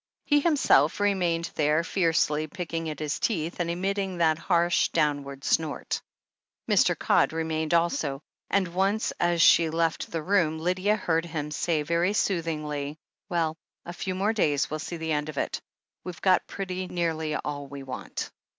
He himself remained there, fiercely picking at his teeth and emitting that harsh, downward snort. Mr. Codd remained also, and once, as she left the room, Lydia heard him say very soothingly : "Well, a few days more will see the end of it. We've got pretty nearly all we want."